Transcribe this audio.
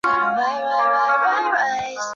美国州鸟列表列出了美国各州的选出州鸟。